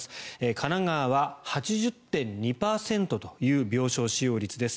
神奈川は８０．２％という病床使用率です。